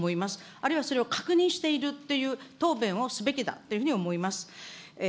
あるいはそれを確認しているっていう答弁をすべきだというふうに思います。